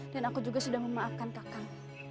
dan aku juga sudah memaafkan kakak